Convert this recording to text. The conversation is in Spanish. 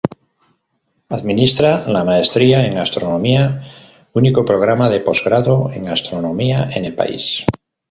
Administra la maestría en Astronomía, único programa de posgrado en Astronomía en el país.